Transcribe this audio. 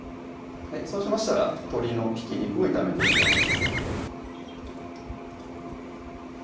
そうしましたら鶏のひき肉を炒めていきます